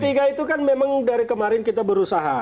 poros ketiga itu kan memang dari kemarin kita berusaha